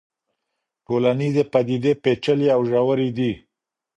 ټولنيزې پديدې پېچلې او ژورې دي.